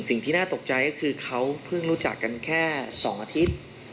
สิ่งที่น่าตกใจก็คือเขาเพิ่งรู้จักกันแค่๒อาทิตย์